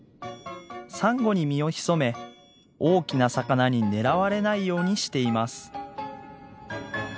サンゴに身を潜め大きな魚に狙われないようにしています。